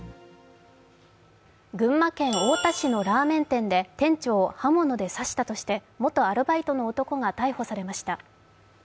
群馬県太田市のラーメン店で、店長を刃物で刺したとして元アルバイトの男が逮捕されました。